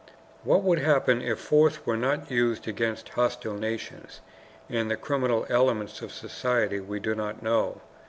What would happen if force were not used against hostile nations and the criminal elements of society we do not know.